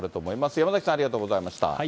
山崎さん、ありがとうございました。